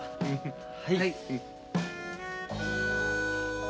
はい。